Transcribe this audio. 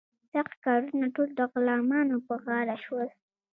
سخت کارونه ټول د غلامانو په غاړه شول.